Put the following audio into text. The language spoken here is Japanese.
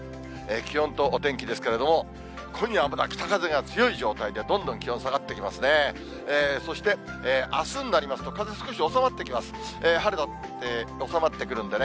気温とお天気ですけれども、今夜はまだ北風が強い状態で、どんどん気温下がってきますね。